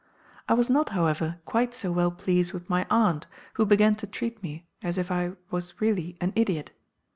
I was not, however, quite so well pleased with my aunt, who began to treat me as if I was really an idiot.